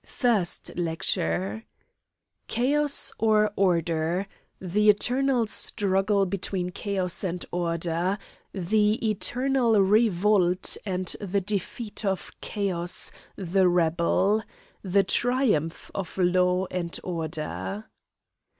FIRST LECTURE Chaos or order? The eternal struggle between chaos and order. The eternal revolt and the defeat of chaos, the rebel. The triumph of law and order.